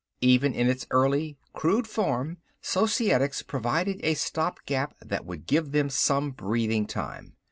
"Even in its early, crude form, Societics provided a stopgap that would give them some breathing time.